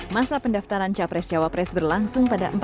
masa pendaftaran capres cawapres berlangsung pada